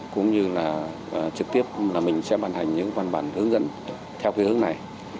cũng như là trực tiếp là mình sẽ bàn hành những văn bản hướng dẫn theo cái hướng này